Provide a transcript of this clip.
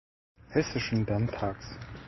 Hessischen Landtags.